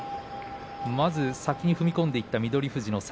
まず先に踏み込んでいった翠富士。